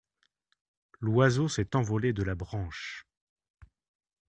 L’oiseau s’est envolé de la branche.